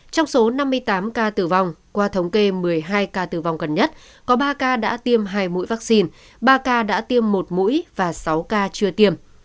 trong số năm mươi tám ca tử vong qua thống kê một mươi hai ca tử vong gần nhất có ba ca đã tiêm hai mũi vaccine ba ca đã tiêm một mũi và sáu ca chưa tiêm